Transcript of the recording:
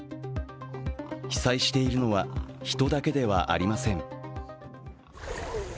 被災しているのは人だけではありません。